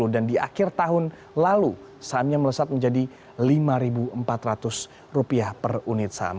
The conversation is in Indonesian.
dan di akhir tahun lalu sahamnya melesat menjadi lima ribu empat ratus rupiah per unit saham